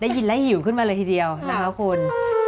ได้ยินแล้วหิวขึ้นมาเลยทีเดียวนะคะคุณ